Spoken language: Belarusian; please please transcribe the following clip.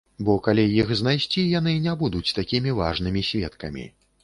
Бо калі іх знайсці, яны не будуць такімі важнымі сведкамі.